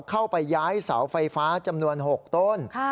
เข้าไปย้ายเสาไฟฟ้าจำนวน๖ต้น